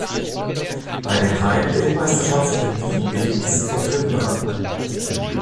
Bei den Heim-Weltmeisterschaften in Wien belegte sie den dritten Rang.